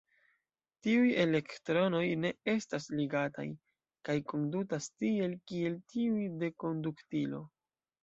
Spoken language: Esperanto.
Tiuj elektronoj ne estas ligataj, kaj kondutas tiel, kiel tiuj de konduktilo.